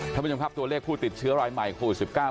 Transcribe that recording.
ท่านผู้ชมครับตัวเลขผู้ติดเชื้อรายใหม่โควิด๑๙